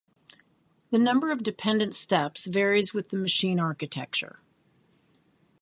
The number of dependent steps varies with the machine architecture.